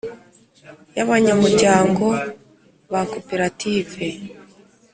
y abanyamuryango ba Koperative